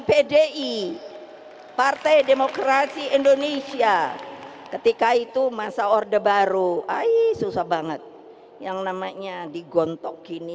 partai demokrasi indonesia ketika itu masa order baru air susah banget yang namanya digontok kini